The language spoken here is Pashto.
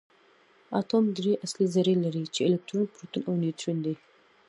اتوم درې اصلي ذرې لري چې الکترون پروټون او نیوټرون دي